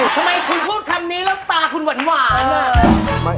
ทำไมคุณพูดคำนี้แล้วตาคุณหวานอ่ะ